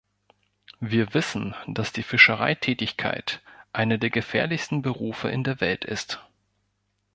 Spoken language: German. Wir wissen, dass die Fischereitätigkeit eine der gefährlichsten Berufe in der Welt ist.